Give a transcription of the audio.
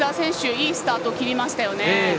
いいスタートを切りましたね。